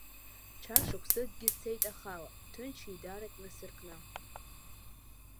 Ҽа шықәсыкгьы цеит ахала, ҭынч еидарак насыркны.